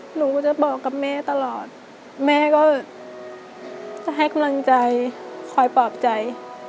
หนูก็จะบอกกับแม่ตลอดแม่ก็จะให้กำลังใจคอยปลอบใจ